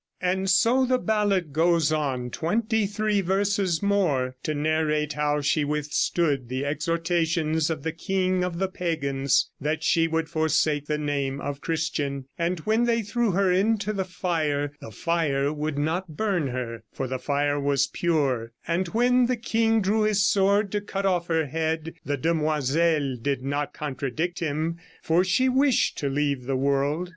And so the ballad goes on twenty three verses more to narrate how she withstood the exhortations of the king of the pagans, that she would forsake the name of Christian; and when they threw her into the fire the fire would not burn her, for the fire was pure; and when the king drew his sword to cut off her head the demoiselle did not contradict him, for she wished to leave the world.